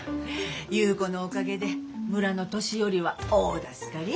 優子のおかげで村の年寄りは大助かり。